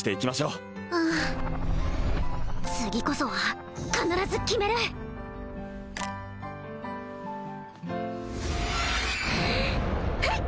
うん次こそは必ず決めるフン！